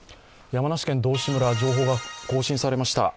山梨県道志村、情報が更新されました。